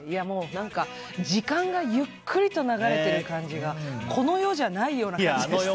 もう、時間がゆっくりと流れてる感じがこの世じゃないような感じがして。